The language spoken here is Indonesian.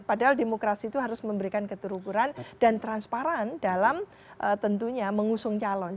padahal demokrasi itu harus memberikan keterukuran dan transparan dalam tentunya mengusung calon